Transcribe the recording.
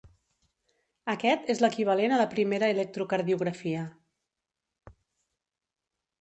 Aquest és l’equivalent a la primera electrocardiografia.